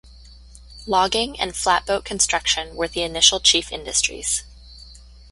Logging and flatboat construction were the initial chief industries.